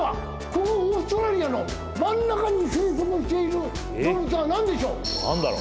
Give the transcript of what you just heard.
このオーストラリアの真ん中に生息している動物は何でしょう？